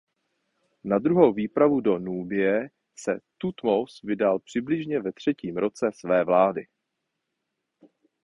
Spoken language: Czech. Na druhou výpravu do Núbie se Thutmose vydal přibližně ve třetím roce své vlády.